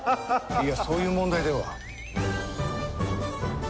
いやそういう問題では。